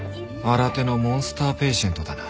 新手のモンスターペイシェントだな。